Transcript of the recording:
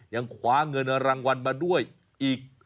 ยังคว้าเงินรางวัลมาด้วยอีก